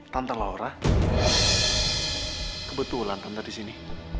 tante laura kebetulan tante di sini